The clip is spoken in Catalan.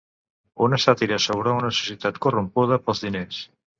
Una sàtira sobre una societat corrompuda pels diners.